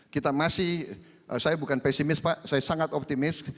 kita masih saya bukan pesimis pak saya sangat optimis